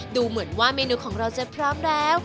ดูเหมือนว่าเมนูของเราจะพร้อมแล้ว